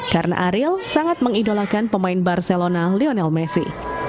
karena ariel sangat mengidolakan pemain barcelona lionel messi